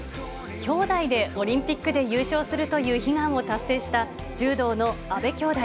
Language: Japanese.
兄妹でオリンピックで優勝するという悲願を達成した、柔道の阿部兄妹。